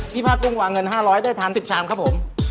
พี่พากุงหวังเงิน๕๐๐ได้ทั้ง๑๐ชามครับผม